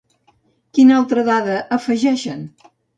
Quina altra dada afegeixen?